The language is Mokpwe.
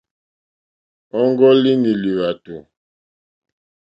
Ɔ́ŋɡɔ́línì lwàtò.